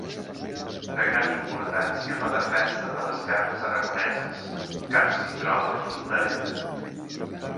De gran importància en la defensa de les terres aragoneses, car s'hi troba fronterera.